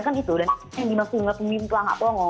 kan itu dan siapa yang dimaksud dengan kepemimpin plak nga pongo